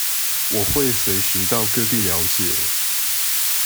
我會隨時到各地了解